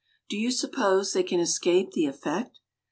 Do you suppose they can escape the effect?